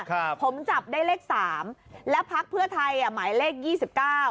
ครับผมจับได้เลขสามแล้วพักเพื่อไทยอ่ะหมายเลขยี่สิบเก้า